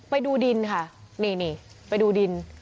ไปดูดินค่ะนี่ไปดูดิน